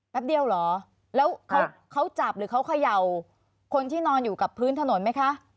เดียวเหรอแล้วเขาจับหรือเขาเขย่าคนที่นอนอยู่กับพื้นถนนไหมคะ